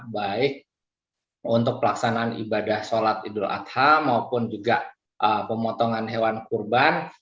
baik untuk pelaksanaan ibadah sholat idul adha maupun juga pemotongan hewan kurban